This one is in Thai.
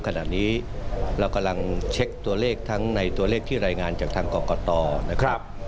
ขณะนี้เรากำลังเช็คตัวเลขทั้งในตัวเลขที่รายงานจากทางกรกตนะครับ